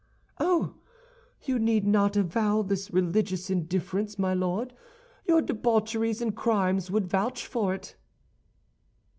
"Oh, you need not avow this religious indifference, my Lord; your debaucheries and crimes would vouch for it."